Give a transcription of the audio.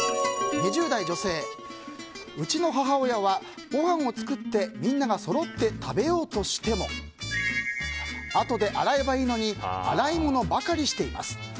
２０代女性うちの母親はごはんを作ってみんながそろって食べようとしてもあとで洗えばいいのに洗い物ばかりしています。